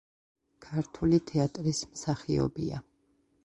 ქართული თეატრის მსახიობია.